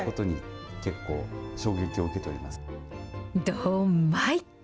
どんまい。